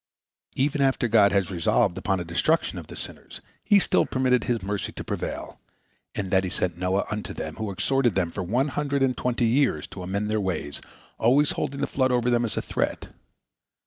Even after God had resolved upon the destruction of the sinners, He still permitted His mercy to prevail, in that He sent Noah unto them, who exhorted them for one hundred and twenty years to amend their ways, always holding the flood over them as a threat.